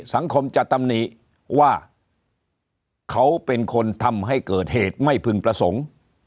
สังคมจะตำหนิว่าเขาเป็นคนทำให้เกิดเหตุไม่พึงประสงค์